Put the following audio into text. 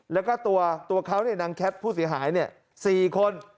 แล้วก็ตัวเขานางแคทผู้เสียหาย๔คน